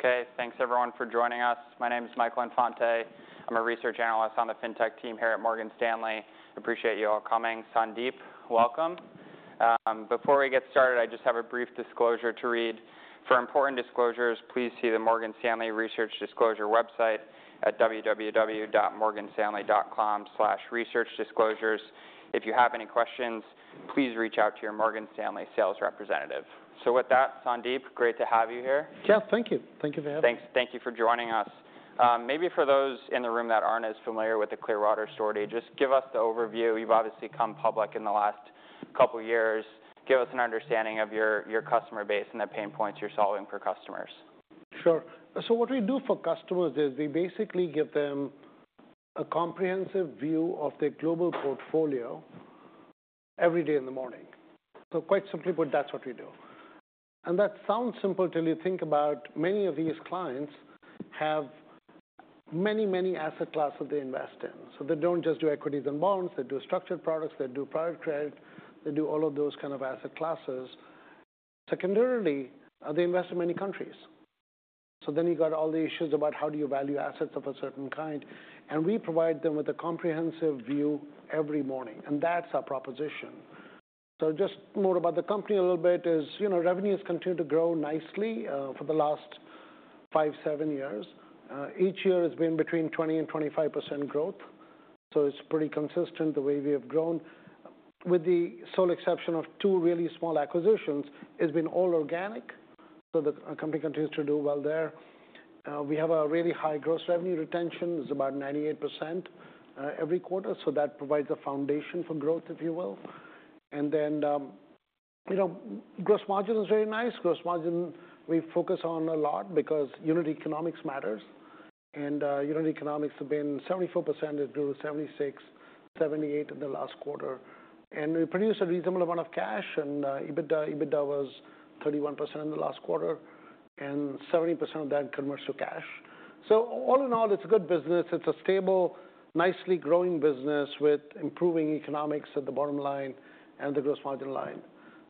Okay, thanks everyone for joining us. My name is Michael Infante. I'm a research analyst on the FinTech team here at Morgan Stanley. Appreciate you all coming. Sandeep, welcome. Before we get started, I just have a brief disclosure to read. For important disclosures, please see the Morgan Stanley Research Disclosure website at www.morganstanley.com/researchdisclosures. If you have any questions, please reach out to your Morgan Stanley sales representative. So with that, Sandeep, great to have you here. Yeah, thank you. Thank you for having me. Thanks. Thank you for joining us. Maybe for those in the room that aren't as familiar with the Clearwater story, just give us the overview. You've obviously come public in the last couple of years. Give us an understanding of your customer base and the pain points you're solving for customers. Sure. So what we do for customers is we basically give them a comprehensive view of their global portfolio every day in the morning. So quite simply put, that's what we do. And that sounds simple till you think about many of these clients have many, many asset classes they invest in. So they don't just do equities and bonds. They do structured products. They do private credit. They do all of those kinds of asset classes. Secondarily, they invest in many countries. So then you've got all the issues about how do you value assets of a certain kind. And we provide them with a comprehensive view every morning. And that's our proposition. So just more about the company a little bit is revenues continue to grow nicely for the last five, seven years. Each year has been between 20%-25% growth. So it's pretty consistent the way we have grown, with the sole exception of two really small acquisitions. It's been all organic. So the company continues to do well there. We have a really high gross revenue retention. It's about 98% every quarter. So that provides a foundation for growth, if you will. And then gross margin is very nice. Gross margin, we focus on a lot because unit economics matters. And unit economics have been 74%, it grew 76%, 78% in the last quarter. And we produced a reasonable amount of cash. And EBITDA, EBITDA was 31% in the last quarter. And 70% of that converts to cash. So all in all, it's a good business. It's a stable, nicely growing business with improving economics at the bottom line and the gross margin line.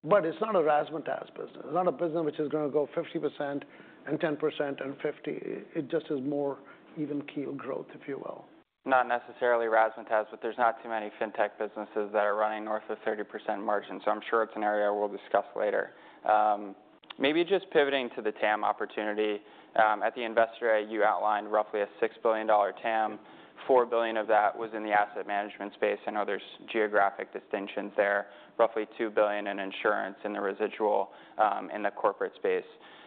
But it's not a razzmatazz business. It's not a business which is going to go 50% and 10% and 50%. It just is more even keel growth, if you will. Not necessarily razzmatazz, but there's not too many FinTech businesses that are running north of 30% margin. So I'm sure it's an area we'll discuss later. Maybe just pivoting to the TAM opportunity. At the Investor Day you outlined roughly a $6 billion TAM. $4 billion of that was in the asset management space. I know there's geographic distinctions there. Roughly $2 billion in insurance and the residual in the corporate space.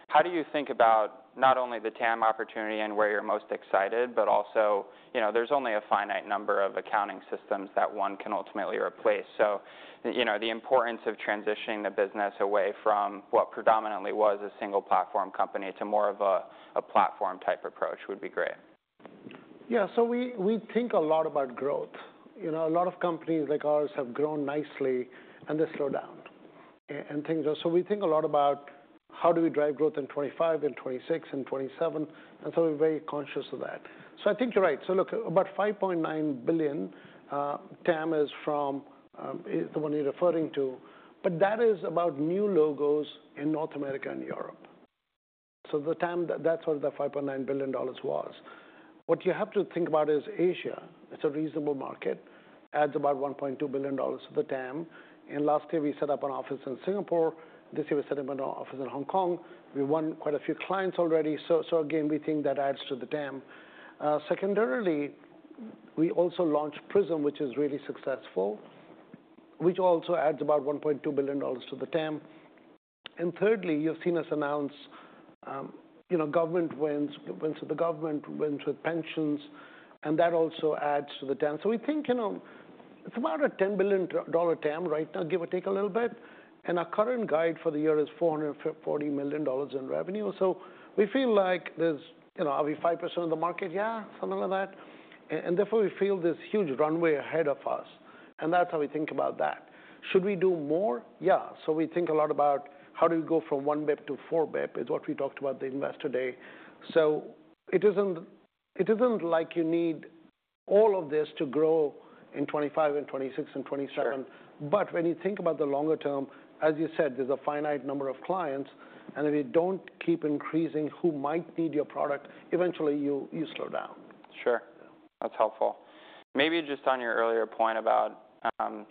How do you think about not only the TAM opportunity and where you're most excited, but also there's only a finite number of accounting systems that one can ultimately replace? So the importance of transitioning the business away from what predominantly was a single platform company to more of a platform type approach would be great. Yeah, so we think a lot about growth. A lot of companies like ours have grown nicely, and they slow down. And things are. So we think a lot about how do we drive growth in 2025, in 2026, in 2027. And so we're very conscious of that. So I think you're right. So look, about $5.9 billion TAM is from the one you're referring to. But that is about new logos in North America and Europe. So the TAM, that's what the $5.9 billion was. What you have to think about is Asia. It's a reasonable market. Adds about $1.2 billion to the TAM. And last year, we set up an office in Singapore. This year, we set up an office in Hong Kong. We won quite a few clients already. So again, we think that adds to the TAM. Secondarily, we also launched PRISM, which is really successful, which also adds about $1.2 billion to the TAM. And thirdly, you've seen us announce government wins. So the government wins with pensions. And that also adds to the TAM. So we think it's about a $10 billion TAM right now, give or take a little bit. And our current guide for the year is $440 million in revenue. So we feel like there's are we 5% of the market? Yeah, something like that. And therefore, we feel this huge runway ahead of us. And that's how we think about that. Should we do more? Yeah. So we think a lot about how do we go from one bps to four bps is what we talked about the Investor Day. So it isn't like you need all of this to grow in 2025 and 2026 and 2027. But when you think about the longer term, as you said, there's a finite number of clients. And if you don't keep increasing who might need your product, eventually, you slow down. Sure. That's helpful. Maybe just on your earlier point about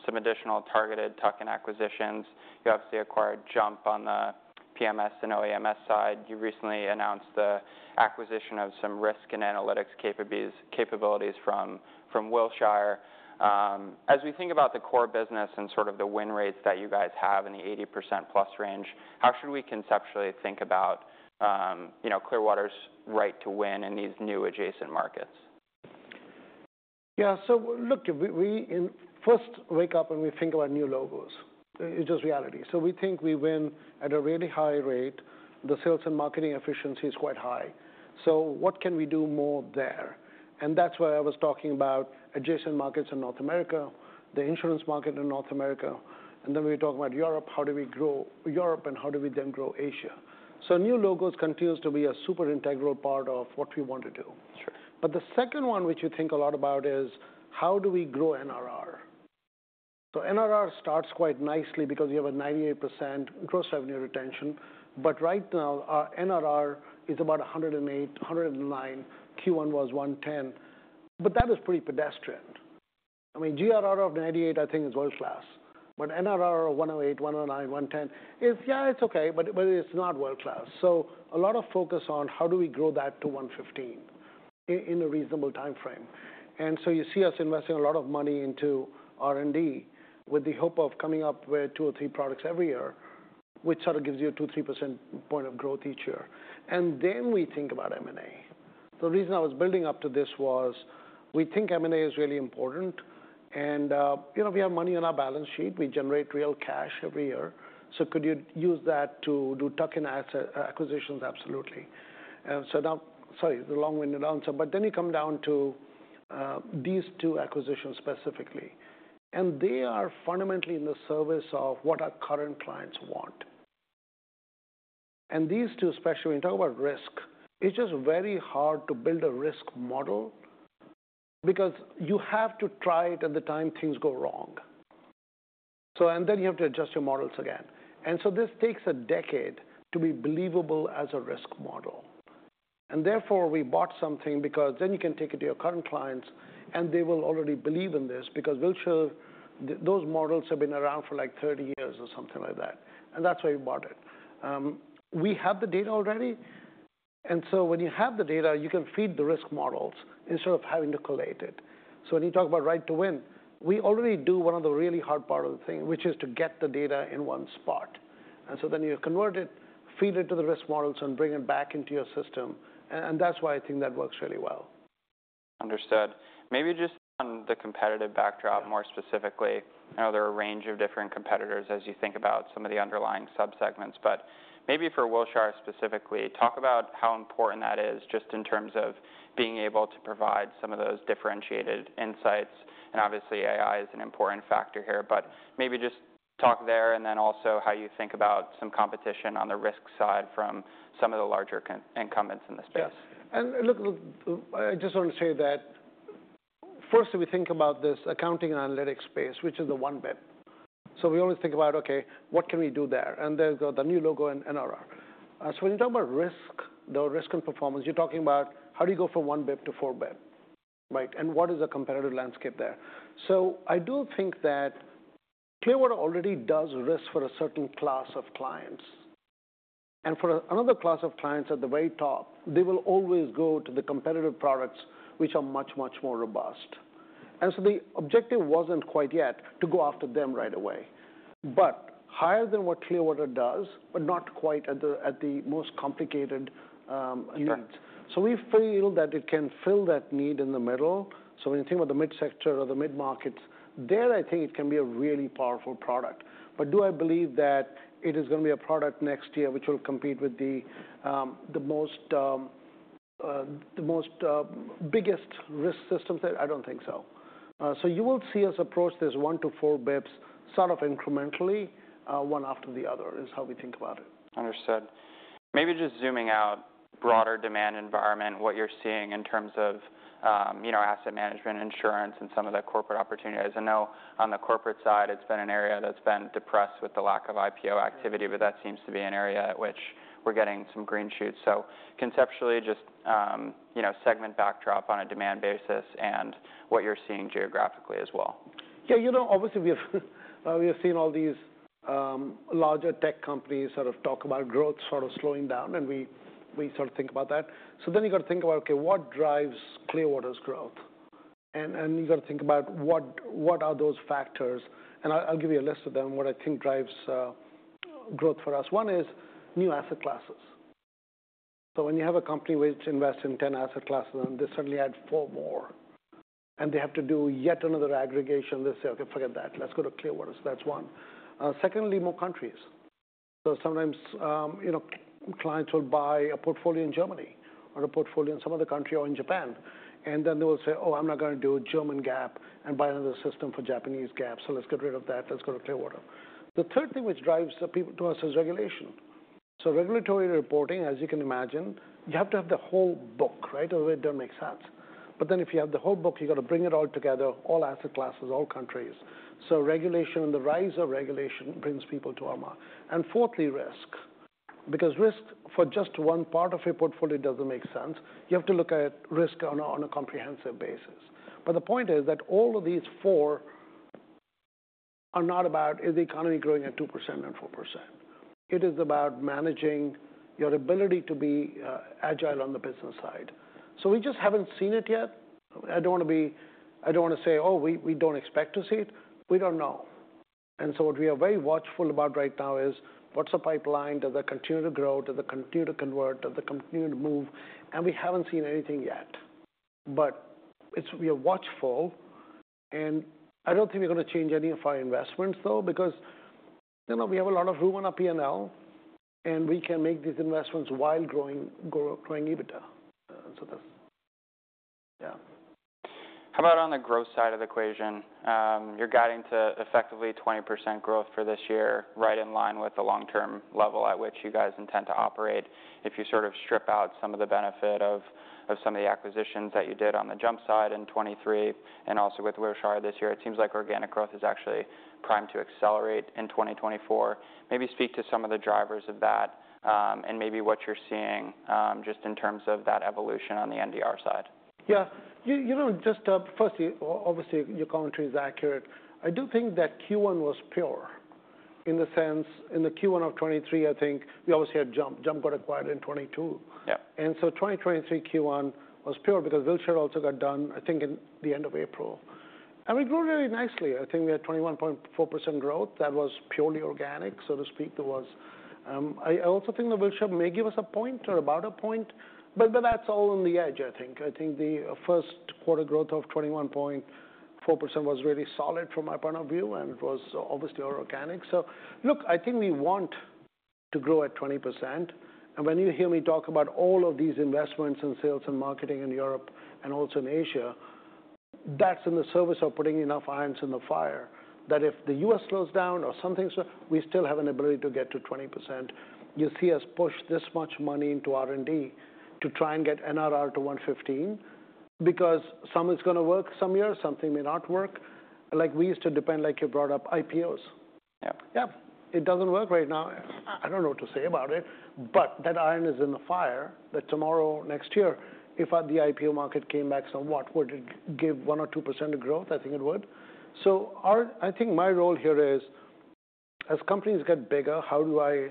some additional targeted tuck-in acquisitions. You obviously acquired JUMP on the PMS and OEMS side. You recently announced the acquisition of some risk and analytics capabilities from Wilshire. As we think about the core business and sort of the win rates that you guys have in the 80%+ range, how should we conceptually think about Clearwater's right to win in these new adjacent markets? Yeah, so look, we first wake up and we think about new logos. It's just reality. So we think we win at a really high rate. The sales and marketing efficiency is quite high. So what can we do more there? And that's why I was talking about adjacent markets in North America, the insurance market in North America. And then we were talking about Europe. How do we grow Europe and how do we then grow Asia? So new logos continues to be a super integral part of what we want to do. Sure. But the second one, which you think a lot about, is how do we grow NRR? So NRR starts quite nicely because we have a 98% gross revenue retention. But right now, our NRR is about 108, 109. Q1 was 110. But that is pretty pedestrian. I mean, GRR of 98, I think, is world class. But NRR of 108, 109, 110 is, yeah, it's OK. But it's not world class. So a lot of focus on how do we grow that to 115 in a reasonable time frame. And so you see us investing a lot of money into R&D with the hope of coming up with two or three products every year, which sort of gives you a 2%, 3% point of growth each year. And then we think about M&A. The reason I was building up to this was we think M&A is really important. We have money on our balance sheet. We generate real cash every year. So could you use that to do tuck-in acquisitions? Absolutely. And so now, sorry, it's a long-winded answer. But then you come down to these two acquisitions specifically. They are fundamentally in the service of what our current clients want. These two, especially when you talk about risk, it's just very hard to build a risk model because you have to try it at the time things go wrong. Then you have to adjust your models again. So this takes a decade to be believable as a risk model. Therefore, we bought something because then you can take it to your current clients. They will already believe in this because Wilshire, those models have been around for like 30 years or something like that. That's why we bought it. We have the data already. When you have the data, you can feed the risk models instead of having to collate it. When you talk about right to win, we already do one of the really hard part of the thing, which is to get the data in one spot. Then you convert it, feed it to the risk models, and bring it back into your system. And that's why I think that works really well. Understood. Maybe just on the competitive backdrop more specifically. I know there are a range of different competitors as you think about some of the underlying subsegments. But maybe for Wilshire specifically, talk about how important that is just in terms of being able to provide some of those differentiated insights. And obviously, AI is an important factor here. But maybe just talk there and then also how you think about some competition on the risk side from some of the larger incumbents in the space. Yes. Look, I just want to say that first, we think about this accounting and analytics space, which is the one bps. So we always think about, OK, what can we do there? And there's the new logo and NRR. So when you talk about risk, the risk and performance, you're talking about how do you go from one bps to four bps, right? And what is the competitive landscape there? So I do think that Clearwater already does risk for a certain class of clients. And for another class of clients at the very top, they will always go to the competitive products, which are much, much more robust. And so the objective wasn't quite yet to go after them right away. But higher than what Clearwater does, but not quite at the most complicated needs. So we feel that it can fill that need in the middle. So when you think about the mid-sector or the mid-markets, there, I think it can be a really powerful product. But do I believe that it is going to be a product next year which will compete with the biggest risk systems there? I don't think so. So you will see us approach these one to four BIPs sort of incrementally, one after the other is how we think about it. Understood. Maybe just zooming out to the broader demand environment, what you're seeing in terms of asset management, insurance, and some of the corporate opportunities. I know on the corporate side, it's been an area that's been depressed with the lack of IPO activity. But that seems to be an area at which we're getting some green shoots. So conceptually, just segment backdrop on a demand basis and what you're seeing geographically as well. Yeah, you know, obviously, we have seen all these larger tech companies sort of talk about growth sort of slowing down. And we sort of think about that. So then you've got to think about, OK, what drives Clearwater's growth? And you've got to think about what are those factors. And I'll give you a list of them, what I think drives growth for us. One is new asset classes. So when you have a company which invests in 10 asset classes, and they suddenly add four more, and they have to do yet another aggregation, they say, OK, forget that. Let's go to Clearwater. So that's one. Secondly, more countries. So sometimes clients will buy a portfolio in Germany or a portfolio in some other country or in Japan. And then they will say, oh, I'm not going to do German GAAP and buy another system for Japanese GAAP. So let's get rid of that. Let's go to Clearwater. The third thing which drives people to us is regulation. So regulatory reporting, as you can imagine, you have to have the whole book, right? Otherwise, it doesn't make sense. But then if you have the whole book, you've got to bring it all together, all asset classes, all countries. So regulation and the rise of regulation brings people to AMAR. And fourthly, risk. Because risk for just one part of your portfolio doesn't make sense. You have to look at risk on a comprehensive basis. But the point is that all of these four are not about is the economy growing at 2% and 4%. It is about managing your ability to be agile on the business side. So we just haven't seen it yet. I don't want to say, oh, we don't expect to see it. We don't know. And so what we are very watchful about right now is what's the pipeline? Does it continue to grow? Does it continue to convert? Does it continue to move? And we haven't seen anything yet. But we are watchful. And I don't think we're going to change any of our investments, though, because we have a lot of room on our P&L. And we can make these investments while growing EBITDA. So that's, yeah. How about on the growth side of the equation? You're guiding to effectively 20% growth for this year, right in line with the long-term level at which you guys intend to operate. If you sort of strip out some of the benefit of some of the acquisitions that you did on the JUMP side in 2023 and also with Wilshire this year, it seems like organic growth is actually primed to accelerate in 2024. Maybe speak to some of the drivers of that and maybe what you're seeing just in terms of that evolution on the NRR side. Yeah. You know, just firstly, obviously, your commentary is accurate. I do think that Q1 was pure in the sense in the Q1 of 2023, I think we obviously had JUMP. JUMP got acquired in 2022. Yeah. So 2023 Q1 was pure because Wilshire also got done, I think, in the end of April. And we grew really nicely. I think we had 21.4% growth. That was purely organic, so to speak. I also think that Wilshire may give us a point or about a point. But that's all on the edge, I think. I think the first quarter growth of 21.4% was really solid from my point of view. And it was obviously organic. So look, I think we want to grow at 20%. And when you hear me talk about all of these investments and sales and marketing in Europe and also in Asia, that's in the service of putting enough irons in the fire that if the U.S. slows down or something slows, we still have an ability to get to 20%. You see us push this much money into R&D to try and get NRR to 115 because some is going to work some years. Something may not work. Like we used to depend, like you brought up, IPOs. Yeah. Yeah. It doesn't work right now. I don't know what to say about it. But that iron is in the fire that tomorrow, next year, if the IPO market came back somewhat, would it give 1% or 2% of growth? I think it would. So I think my role here is, as companies get bigger, how do I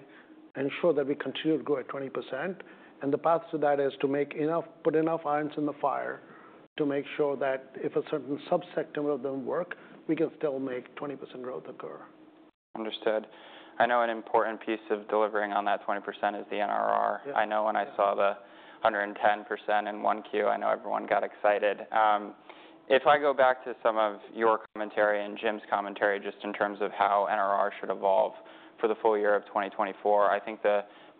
ensure that we continue to grow at 20%? And the path to that is to put enough irons in the fire to make sure that if a certain subsector of them work, we can still make 20% growth occur. Understood. I know an important piece of delivering on that 20% is the NRR. I know when I saw the 110% in 1Q, I know everyone got excited. If I go back to some of your commentary and Jim's commentary just in terms of how NRR should evolve for the full year of 2024, I think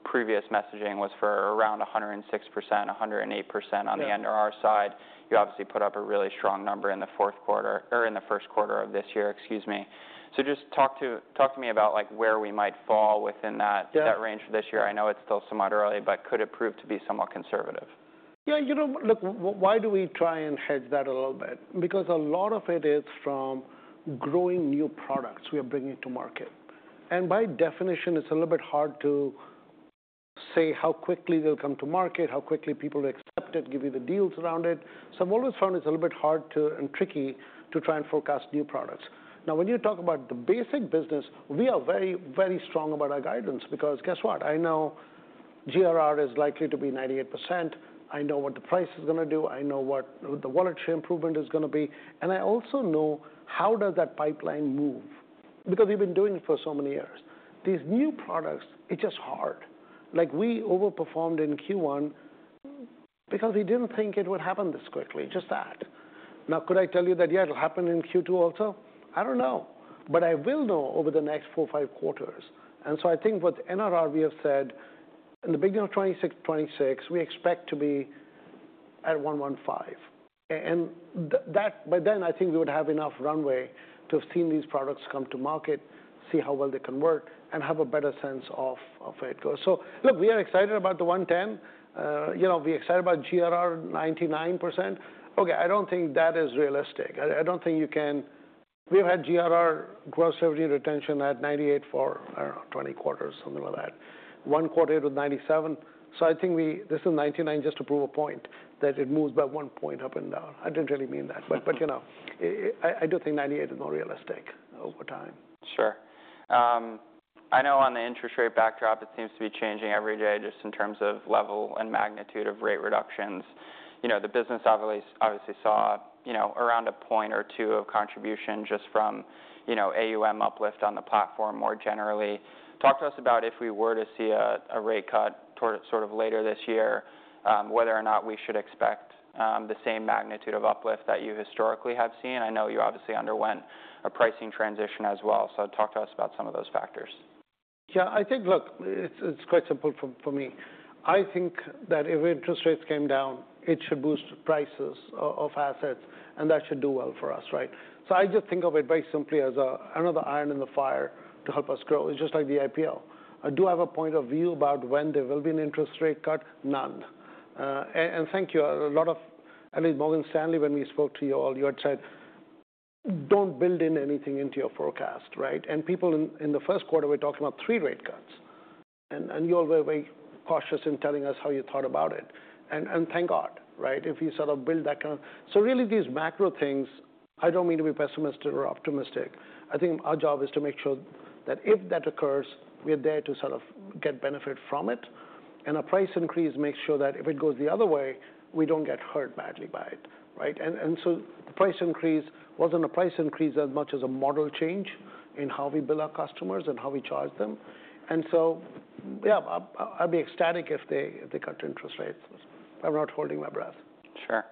the previous messaging was for around 106%, 108% on the NRR side. You obviously put up a really strong number in the fourth quarter or in the first quarter of this year, excuse me. So just talk to me about where we might fall within that range for this year. I know it's still somewhat early, but could it prove to be somewhat conservative? Yeah. You know, look, why do we try and hedge that a little bit? Because a lot of it is from growing new products we are bringing to market. And by definition, it's a little bit hard to say how quickly they'll come to market, how quickly people will accept it, give you the deals around it. So I've always found it's a little bit hard and tricky to try and forecast new products. Now, when you talk about the basic business, we are very, very strong about our guidance. Because guess what? I know GRR is likely to be 98%. I know what the price is going to do. I know what the volatility improvement is going to be. And I also know how does that pipeline move because we've been doing it for so many years. These new products, it's just hard. Like we overperformed in Q1 because we didn't think it would happen this quickly, just that. Now, could I tell you that, yeah, it'll happen in Q2 also? I don't know. But I will know over the next four, five quarters. And so I think with NRR, we have said in the beginning of 2026, we expect to be at 115. And by then, I think we would have enough runway to have seen these products come to market, see how well they convert, and have a better sense of where it goes. So look, we are excited about the 110. You know, we're excited about GRR 99%. OK, I don't think that is realistic. I don't think you can. We've had GRR gross revenue retention at 98 for, I don't know, 20 quarters, something like that. One quarter hit with 97. So I think this is 99 just to prove a point that it moves by one point up and down. I didn't really mean that. But you know, I do think 98 is more realistic over time. Sure. I know on the interest rate backdrop, it seems to be changing every day just in terms of level and magnitude of rate reductions. You know, the business obviously saw around a point or two of contribution just from AUM uplift on the platform more generally. Talk to us about if we were to see a rate cut sort of later this year, whether or not we should expect the same magnitude of uplift that you historically have seen. I know you obviously underwent a pricing transition as well. So talk to us about some of those factors. Yeah. I think, look, it's quite simple for me. I think that if interest rates came down, it should boost prices of assets. And that should do well for us, right? So I just think of it very simply as another iron in the fire to help us grow. It's just like the IPO. Do I have a point of view about when there will be an interest rate cut? None. And thank you. A lot of, at least Morgan Stanley, when we spoke to you all, you had said, don't build in anything into your forecast, right? And people in the first quarter were talking about three rate cuts. And you all were very cautious in telling us how you thought about it. And thank God, right? If you sort of build that kind of so really, these macro things, I don't mean to be pessimistic or optimistic. I think our job is to make sure that if that occurs, we're there to sort of get benefit from it. And a price increase makes sure that if it goes the other way, we don't get hurt badly by it, right? And so the price increase wasn't a price increase as much as a model change in how we bill our customers and how we charge them. And so, yeah, I'd be ecstatic if they cut interest rates. I'm not holding my breath. Sure.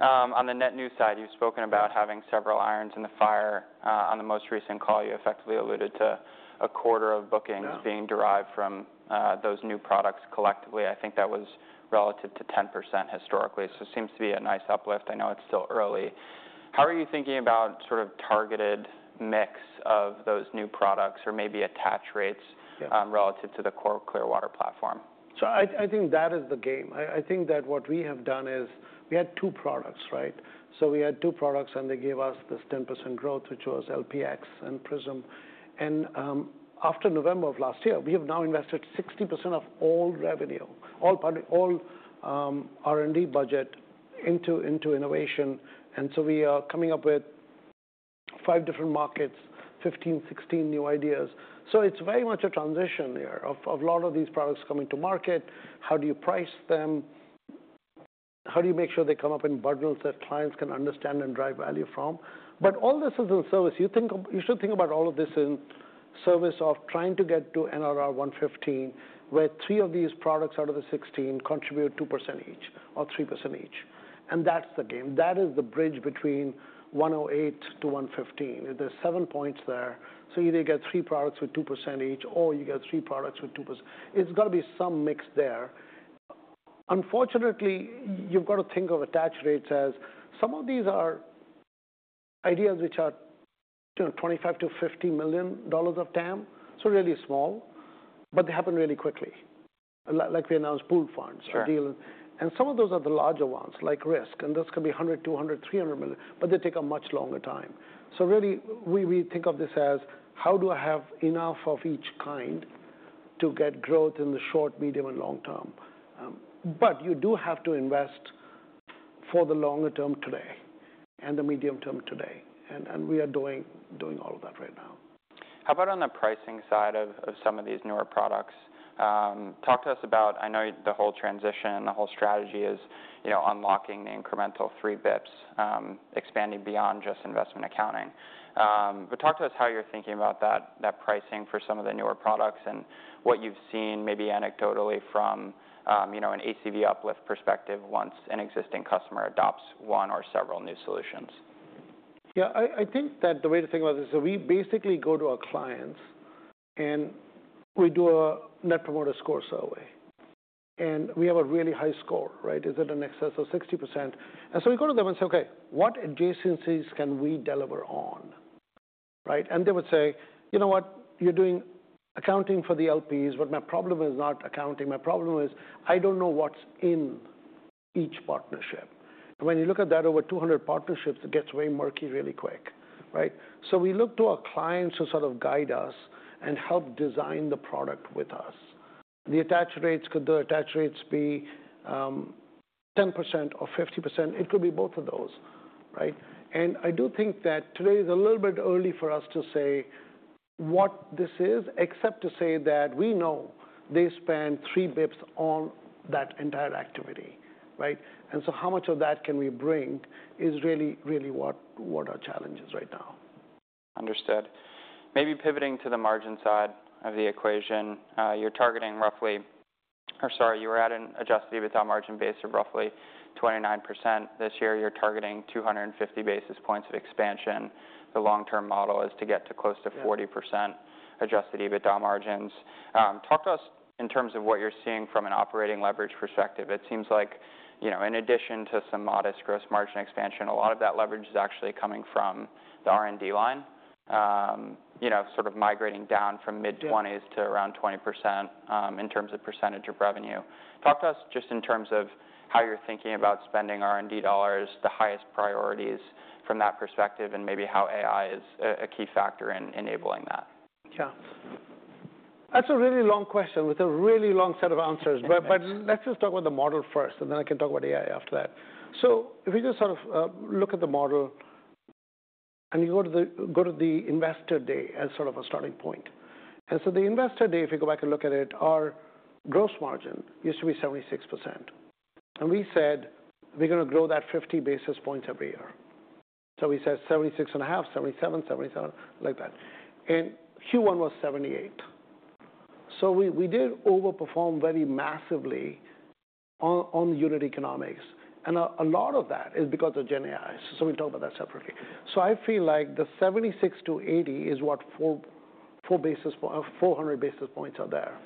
On the net new side, you've spoken about having several irons in the fire. On the most recent call, you effectively alluded to a quarter of bookings being derived from those new products collectively. I think that was relative to 10% historically. So it seems to be a nice uplift. I know it's still early. How are you thinking about sort of targeted mix of those new products or maybe attach rates relative to the core Clearwater platform? So I think that is the game. I think that what we have done is we had two products, right? So we had two products. And they gave us this 10% growth, which was LPx and PRISM. And after November of last year, we have now invested 60% of all revenue, all R&D budget into innovation. And so we are coming up with five different markets, 15, 16 new ideas. So it's very much a transition here of a lot of these products coming to market. How do you price them? How do you make sure they come up in bundles that clients can understand and drive value from? But all this is in service. You should think about all of this in service of trying to get to NRR 115, where three of these products out of the 16 contribute 2% each or 3% each. And that's the game. That is the bridge between 108-115. There's seven points there. So either you get three products with 2% each, or you get three products with 2%. It's got to be some mix there. Unfortunately, you've got to think of attach rates as some of these are ideas which are $25 million-$50 million of TAM. So really small. But they happen really quickly, like we announced pooled funds or deals. And some of those are the larger ones, like risk. And this could be $100 million, $200 million, $300 million. But they take a much longer time. So really, we think of this as how do I have enough of each kind to get growth in the short, medium, and long term. But you do have to invest for the longer term today and the medium term today. And we are doing all of that right now. How about on the pricing side of some of these newer products? Talk to us about. I know the whole transition, the whole strategy is unlocking the incremental three BIPs, expanding beyond just investment accounting. But talk to us how you're thinking about that pricing for some of the newer products and what you've seen, maybe anecdotally, from an ACV uplift perspective once an existing customer adopts one or several new solutions. Yeah. I think that the way to think about it is we basically go to our clients. We do a Net Promoter Score survey. We have a really high score, right? Is it in excess of 60%? So we go to them and say, OK, what adjacencies can we deliver on? Right? And they would say, you know what? You're doing accounting for the LPs. But my problem is not accounting. My problem is I don't know what's in each partnership. When you look at that, over 200 partnerships, it gets very murky really quick, right? So we look to our clients to sort of guide us and help design the product with us. The attach rates could the attach rates be 10% or 50%? It could be both of those, right? I do think that today is a little bit early for us to say what this is, except to say that we know they spend three basis points on that entire activity, right? So how much of that can we bring is really, really what our challenge is right now. Understood. Maybe pivoting to the margin side of the equation. You're targeting roughly, or sorry, you were adding adjusted EBITDA margin base of roughly 29% this year. You're targeting 250 basis points of expansion. The long-term model is to get to close to 40% adjusted EBITDA margins. Talk to us in terms of what you're seeing from an operating leverage perspective. It seems like, in addition to some modest gross margin expansion, a lot of that leverage is actually coming from the R&D line, sort of migrating down from mid-20s to around 20% in terms of percentage of revenue. Talk to us just in terms of how you're thinking about spending R&D dollars, the highest priorities from that perspective, and maybe how AI is a key factor in enabling that. Yeah. That's a really long question with a really long set of answers. But let's just talk about the model first. And then I can talk about AI after that. So if we just sort of look at the model and you go to the Investor Day as sort of a starting point. And so the Investor Day, if you go back and look at it, our gross margin used to be 76%. And we said, we're going to grow that 50 basis points every year. So we said 76.5, 77, 77.5, like that. And Q1 was 78%. So we did overperform very massively on unit economics. And a lot of that is because of GenAI. So we'll talk about that separately. So I feel like the 76%-80% is what 400 basis points are there.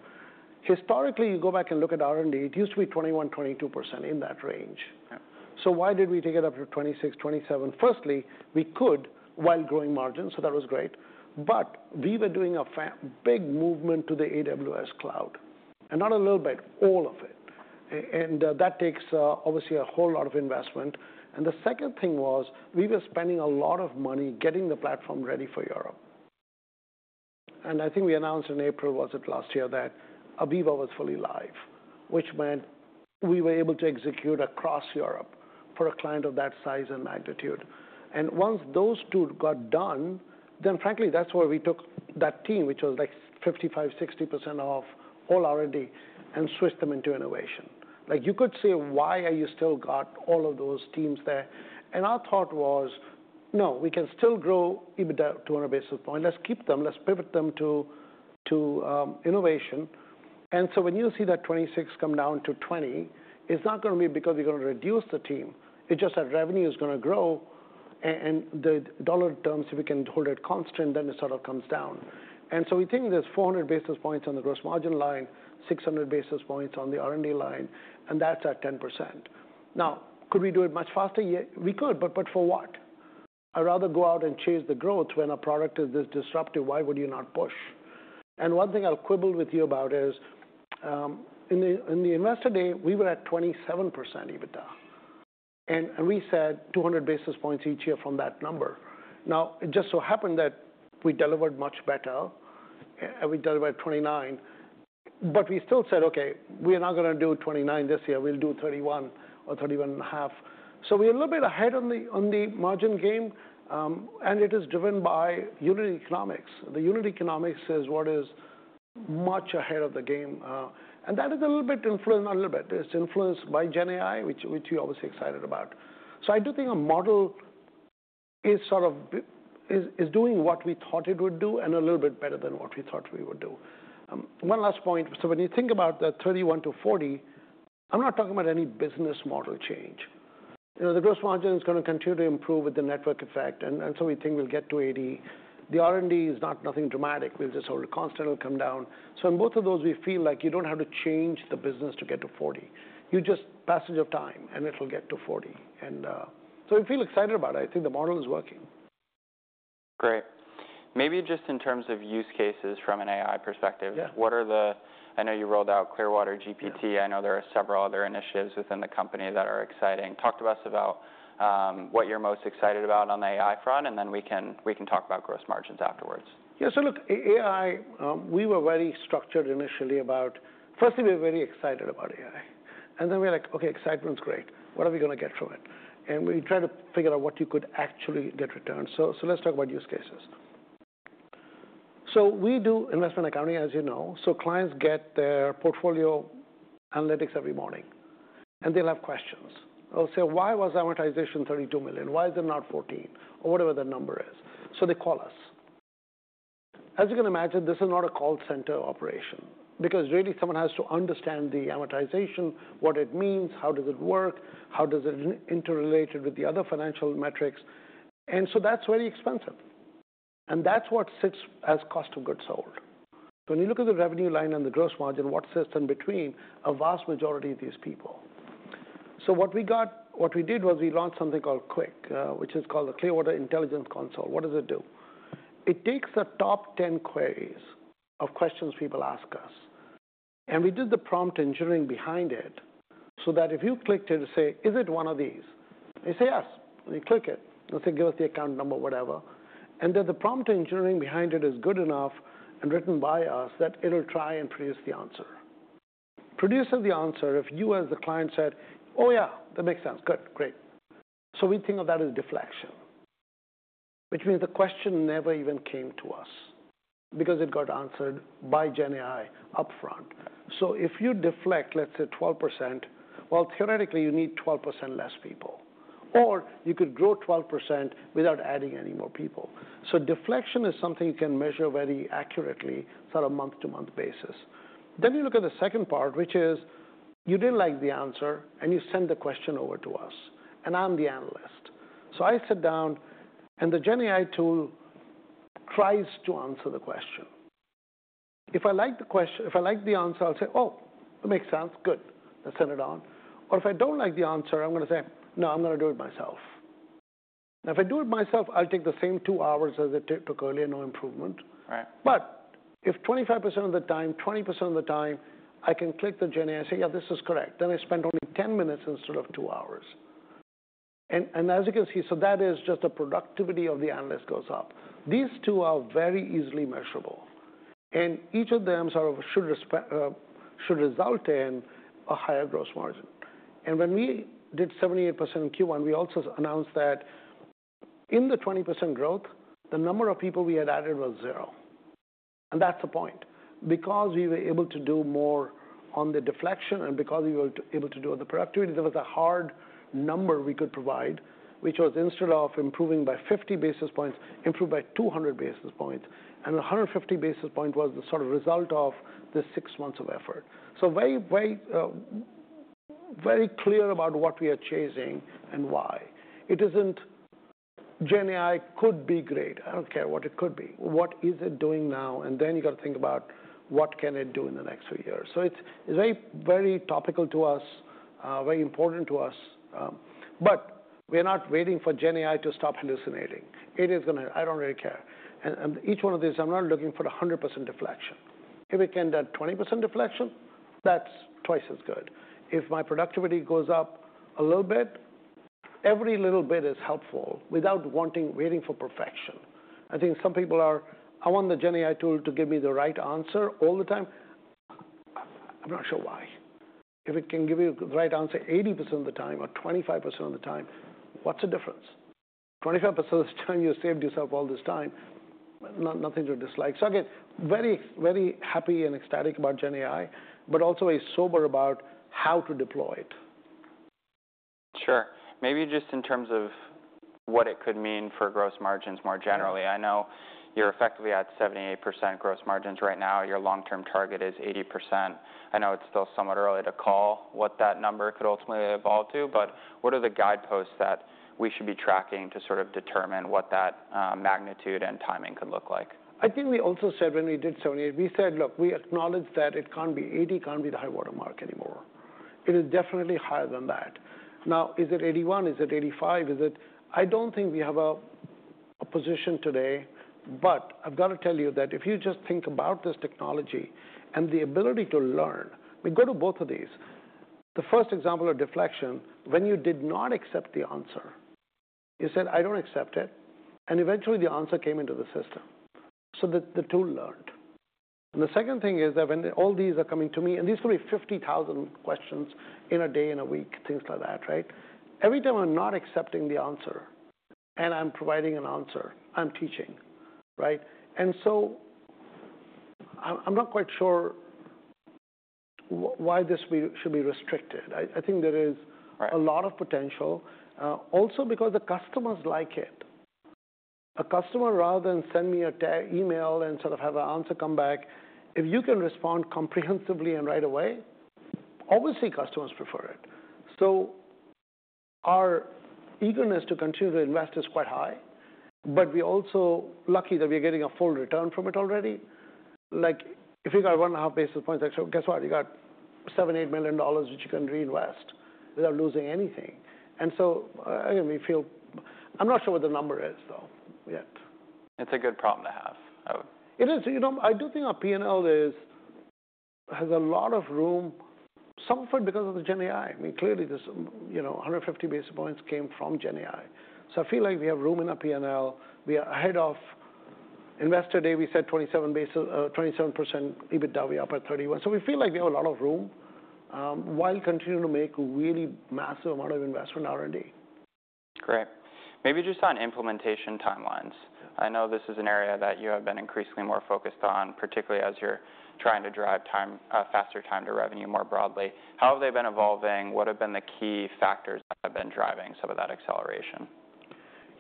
Historically, you go back and look at R&D, it used to be 21%-22% in that range. So why did we take it up to 26%-27%? Firstly, we could while growing margins. So that was great. But we were doing a big movement to the AWS cloud. And not a little bit, all of it. And that takes obviously a whole lot of investment. And the second thing was we were spending a lot of money getting the platform ready for Europe. And I think we announced in April, was it last year, that Aviva was fully live, which meant we were able to execute across Europe for a client of that size and magnitude. And once those two got done, then frankly, that's where we took that team, which was like 55%-60% of all R&D, and switched them into innovation. Like you could say, why have you still got all of those teams there? And our thought was, no, we can still grow EBITDA 200 basis points. Let's keep them. Let's pivot them to innovation. And so when you see that 26% come down to 20%, it's not going to be because we're going to reduce the team. It's just that revenue is going to grow. And the dollar terms, if we can hold it constant, then it sort of comes down. And so we think there's 400 basis points on the gross margin line, 600 basis points on the R&D line. And that's at 10%. Now, could we do it much faster? Yeah, we could. But for what? I'd rather go out and chase the growth when a product is this disruptive. Why would you not push? One thing I'll quibble with you about is in the Investor Day, we were at 27% EBITDA. We said 200 basis points each year from that number. Now, it just so happened that we delivered much better. We delivered 29%. But we still said, OK, we are not going to do 29% this year. We'll do 31% or 31.5%. We're a little bit ahead on the margin game. It is driven by unit economics. The unit economics is what is much ahead of the game. That is a little bit influenced, not a little bit. It's influenced by GenAI, which we're obviously excited about. I do think our model is sort of is doing what we thought it would do and a little bit better than what we thought we would do. One last point. So when you think about the 31%-40%, I'm not talking about any business model change. The gross margin is going to continue to improve with the network effect. And so we think we'll get to 80%. The R&D is not nothing dramatic. We'll just hold it constant. It'll come down. So in both of those, we feel like you don't have to change the business to get to 40%. You just passage of time, and it'll get to 40%. And so we feel excited about it. I think the model is working. Great. Maybe just in terms of use cases from an AI perspective, what are they? I know you rolled out Clearwater-GPT. I know there are several other initiatives within the company that are exciting. Talk to us about what you're most excited about on the AI front. And then we can talk about gross margins afterwards. Yeah. So look, AI, we were very structured initially about firstly, we were very excited about AI. And then we're like, OK, excitement's great. What are we going to get from it? And we tried to figure out what you could actually get returned. So let's talk about use cases. So we do investment accounting, as you know. So clients get their portfolio analytics every morning. And they'll have questions. They'll say, why was amortization $32 million? Why is it not $14 million or whatever the number is? So they call us. As you can imagine, this is not a call center operation. Because really, someone has to understand the amortization, what it means, how does it work, how does it interrelate with the other financial metrics. And so that's very expensive. And that's what sits as cost of goods sold. When you look at the revenue line and the gross margin, what sits in between a vast majority of these people? So what we did was we launched something called CWIC, which is called the Clearwater Intelligence Console. What does it do? It takes the top 10 queries of questions people ask us. And we did the prompt engineering behind it so that if you clicked it and say, is it one of these? They say yes. And you click it. They'll say, give us the account number, whatever. And then the prompt engineering behind it is good enough and written by us that it'll try and produce the answer. Produces the answer if you as the client said, oh, yeah, that makes sense. Good, great. So we think of that as deflection, which means the question never even came to us because it got answered by GenAI upfront. So if you deflect, let's say, 12%, well, theoretically, you need 12% less people. Or you could grow 12% without adding any more people. So deflection is something you can measure very accurately on a month-to-month basis. Then you look at the second part, which is you didn't like the answer. And you send the question over to us. And I'm the analyst. So I sit down. And the GenAI tool tries to answer the question. If I like the answer, I'll say, oh, that makes sense. Good. I'll send it on. Or if I don't like the answer, I'm going to say, no, I'm going to do it myself. Now, if I do it myself, I'll take the same two hours as it took earlier, no improvement. But if 25% of the time, 20% of the time, I can click the GenAI and say, yeah, this is correct. Then I spent only 10 minutes instead of two hours. And as you can see, so that is just the productivity of the analyst goes up. These two are very easily measurable. And each of them should result in a higher gross margin. And when we did 78% in Q1, we also announced that in the 20% growth, the number of people we had added was zero. And that's the point. Because we were able to do more on the deflection and because we were able to do the productivity, there was a hard number we could provide, which was instead of improving by 50 basis points, improved by 200 basis points. And 150 basis points was the sort of result of the six months of effort. So very clear about what we are chasing and why. GenAI could be great. I don't care what it could be. What is it doing now? And then you've got to think about what can it do in the next few years. So it's very topical to us, very important to us. But we're not waiting for GenAI to stop hallucinating. It is going to I don't really care. And each one of these, I'm not looking for 100% deflection. If it can do 20% deflection, that's twice as good. If my productivity goes up a little bit, every little bit is helpful without waiting for perfection. I think some people are I want the GenAI tool to give me the right answer all the time. I'm not sure why. If it can give you the right answer 80% of the time or 25% of the time, what's the difference? 25% of the time, you saved yourself all this time. Nothing to dislike. So again, very happy and ecstatic about GenAI, but also very sober about how to deploy it. Sure. Maybe just in terms of what it could mean for gross margins more generally. I know you're effectively at 78% gross margins right now. Your long-term target is 80%. I know it's still somewhat early to call what that number could ultimately evolve to. But what are the guideposts that we should be tracking to sort of determine what that magnitude and timing could look like? I think we also said when we did SaaS, we said, look, we acknowledge that it can't be 80, can't be the high watermark anymore. It is definitely higher than that. Now, is it 81? Is it 85? I don't think we have a position today. But I've got to tell you that if you just think about this technology and the ability to learn, we go to both of these. The first example of deflection, when you did not accept the answer, you said, I don't accept it. And eventually, the answer came into the system. So the tool learned. And the second thing is that when all these are coming to me, and these could be 50,000 questions in a day, in a week, things like that, right? Every time I'm not accepting the answer and I'm providing an answer, I'm teaching, right? I'm not quite sure why this should be restricted. I think there is a lot of potential. Also because the customers like it. A customer, rather than send me an email and sort of have an answer come back, if you can respond comprehensively and right away, obviously, customers prefer it. So our eagerness to continue to invest is quite high. But we're also lucky that we're getting a full return from it already. Like if you got 1.5 basis points, guess what? You got $7 million-$8 million, which you can reinvest without losing anything. And so again, we feel I'm not sure what the number is, though, yet. It's a good problem to have. It is. You know, I do think our P&L has a lot of room, some of it because of the GenAI. I mean, clearly, 150 basis points came from GenAI. So I feel like we have room in our P&L. We are ahead of Investor Day. We said 27% EBITDA. We're up at 31%. So we feel like we have a lot of room while continuing to make a really massive amount of investment in R&D. Great. Maybe just on implementation timelines. I know this is an area that you have been increasingly more focused on, particularly as you're trying to drive faster time to revenue more broadly. How have they been evolving? What have been the key factors that have been driving some of that acceleration?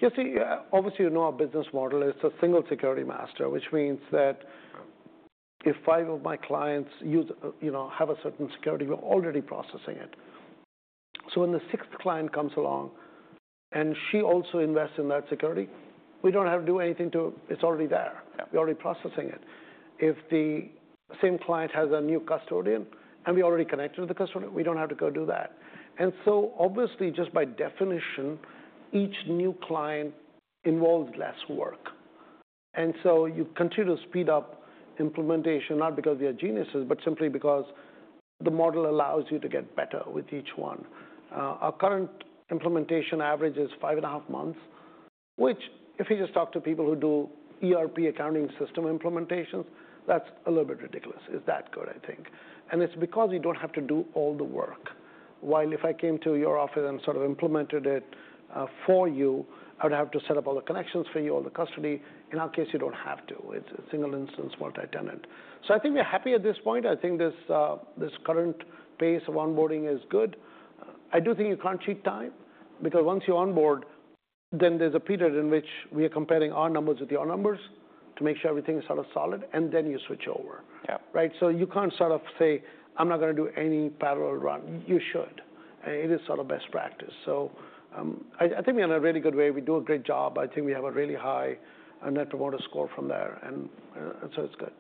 You see, obviously, you know our business model is a single security master, which means that if five of my clients have a certain security, we're already processing it. So when the sixth client comes along and she also invests in that security, we don't have to do anything to it, it's already there. We're already processing it. If the same client has a new custodian and we're already connected to the custodian, we don't have to go do that. And so obviously, just by definition, each new client involves less work. And so you continue to speed up implementation, not because we are geniuses, but simply because the model allows you to get better with each one. Our current implementation average is 5.5 months, which if you just talk to people who do ERP accounting system implementations, that's a little bit ridiculous. It's that good, I think. It's because we don't have to do all the work. While if I came to your office and sort of implemented it for you, I would have to set up all the connections for you, all the custody. In our case, you don't have to. It's a single instance, multi-tenant. So I think we're happy at this point. I think this current pace of onboarding is good. I do think you can't cheat time. Because once you onboard, then there's a period in which we are comparing our numbers with your numbers to make sure everything is sort of solid. And then you switch over, right? So you can't sort of say, I'm not going to do any parallel run. You should. And it is sort of best practice. So I think we're in a really good way. We do a great job. I think we have a really high Net Promoter Score from there. It's good.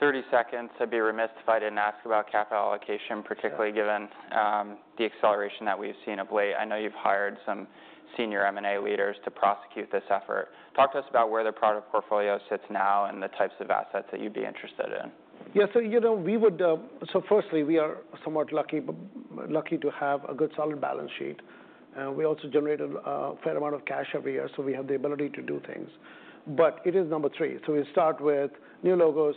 30 seconds to be remiss if I didn't ask about capital allocation, particularly given the acceleration that we've seen of late. I know you've hired some senior M&A leaders to prosecute this effort. Talk to us about where the product portfolio sits now and the types of assets that you'd be interested in. Yeah. So you know we would so firstly, we are somewhat lucky to have a good solid balance sheet. We also generate a fair amount of cash every year. So we have the ability to do things. But it is number three. So we start with new logos.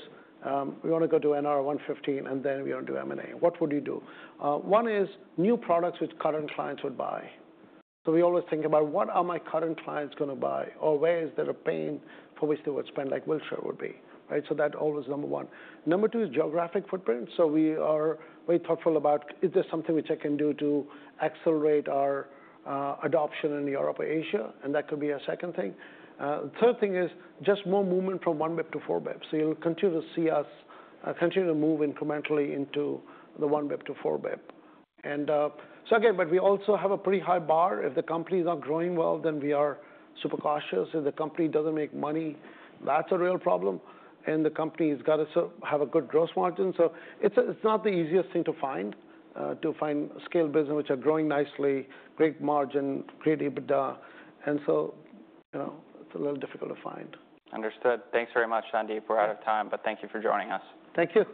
We want to go to NRR 115%. And then we want to do M&A. What would you do? One is new products which current clients would buy. So we always think about what are my current clients going to buy or where is there a pain for which they would spend, like Wilshire would be, right? So that always is number one. Number two is geographic footprint. So we are very thoughtful about is there something which I can do to accelerate our adoption in Europe or Asia? And that could be a second thing. The third thing is just more movement from one BIP to four BIP. So you'll continue to see us continue to move incrementally into the one BIP to four BIP. And so again, but we also have a pretty high bar. If the companies aren't growing well, then we are super cautious. If the company doesn't make money, that's a real problem. And the company's got to have a good gross margin. So it's not the easiest thing to find, to find scale business which are growing nicely, great margin, great EBITDA. And so it's a little difficult to find. Understood. Thanks very much, Sandeep. We're out of time. But thank you for joining us. Thank you.